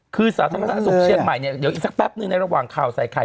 คือสาธารณสุขเชียงใหม่เนี่ยเดี๋ยวอีกสักแป๊บนึงในระหว่างข่าวใส่ไข่